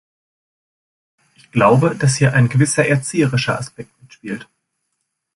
Ich glaube, dass hier ein gewisser erzieherischer Aspekt mitspielt.